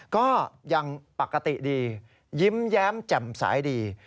ก็ยังปกติดียิ้มแย้มแจ่มสายดี